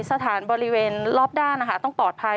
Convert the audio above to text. สถานบริเวณรอบด้านต้องปลอดภัย